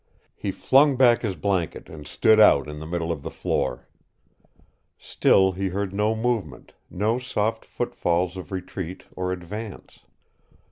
He flung back his blanket and stood out in the middle of the floor. Still he heard no movement, no soft footfalls of retreat or advance.